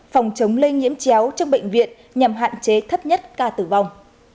phòng chống lây nhiễm chéo trong bệnh viện nhằm hạn chế thấp nhất ca tử vong